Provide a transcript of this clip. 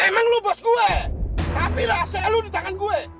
dan mungkin range banyak lagi